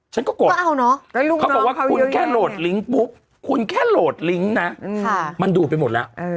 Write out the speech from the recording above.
ฉันก็โกรธเขาบอกว่าคุณแค่โหลดลิงก์ปุ๊บคุณแค่โหลดลิงก์นะมันดูดไปหมดแล้ว